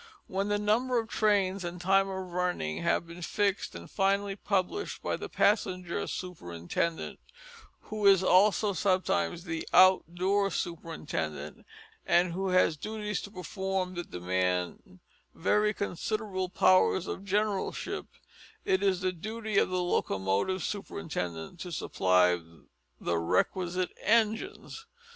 When the number of trains and time of running have been fixed, and finally published by the passenger superintendent who is also sometimes the "Out door superintendent," and who has duties to perform that demand very considerable powers of generalship, it is the duty of the locomotive superintendent to supply the requisite engines.